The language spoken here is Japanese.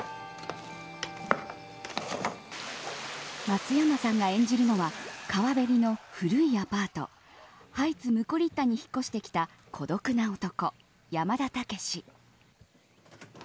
松山さんが演じるのは川べりの古いアパートハイツムコリッタに引っ越してきた孤独な男山田たけし。